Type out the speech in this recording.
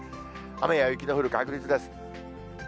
雨や雪の降る確率です。